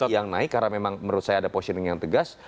tetap yang naik karena memang menurut saya ada positioning yang tegas